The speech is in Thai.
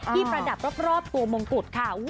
ประดับรอบตัวมงกุฎค่ะ